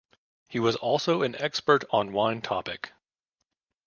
He was also an expert on wine topic.